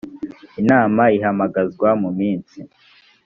inama ihamagazwa mu minsi.